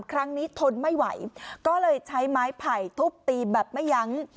ทนไม่ไหวก็เลยใช้ไม้ไผ่ทุบตีแบบไม่ยั้ง